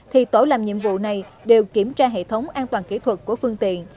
thì tổ làm nhiệm vụ này đều kiểm tra hệ thống an toàn kỹ thuật của phương tiện